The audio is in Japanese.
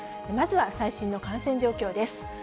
まずは最新の感染状況です。